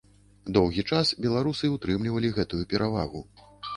Доўгі час беларусы ўтрымлівалі гэтую перавагу.